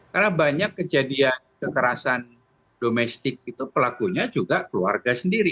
karena banyak kejadian kekerasan domestik itu pelakunya juga keluarga sendiri